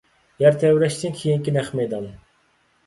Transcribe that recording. يەر تەۋرەشتىن كېيىنكى نەق مەيدان.